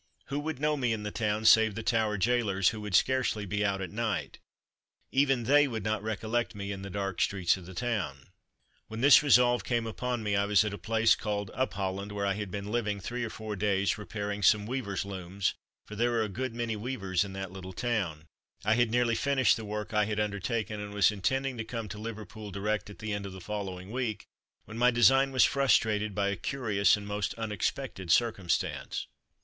Who would know me in the town save the Tower gaolers who would scarcely be out at night; even they would not recollect me in the dark streets of the town? When this resolve came upon me I was at a place called Upholland where I had been living three or four days, repairing some weaver's looms for there are a good many weavers in that little town. I had nearly finished the work I had undertaken, and was intending to come to Liverpool direct at the end of the following week, when my design was frustrated by a curious and most unexpected circumstance.